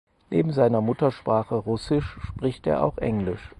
Neben seiner Muttersprache Russisch spricht er auch Englisch.